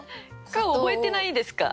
顔覚えてないんですか？